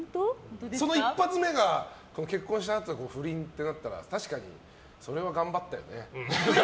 その一発目が結婚したあとに不倫ってなったら確かに、それは頑張ったよね。